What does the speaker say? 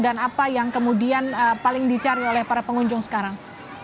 dan apa yang kemudian paling dicari oleh para pengunjung sekarang